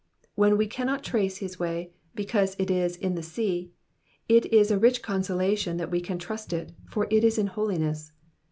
When we cannot trace his way, because it is *' in the sea,^^ it is a rich consolation that we can trust it, for it is in holiness.